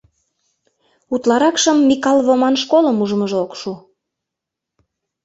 Утларакшым Микал Воман школым ужмыжо ок шу.